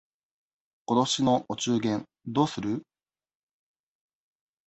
今年のお中元どうする？